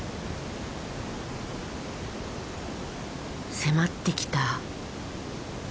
迫ってきた。